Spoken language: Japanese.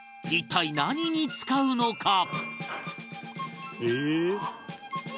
一体何に使うのか？